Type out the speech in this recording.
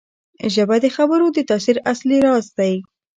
ژبه د خبرو د تاثیر اصلي راز دی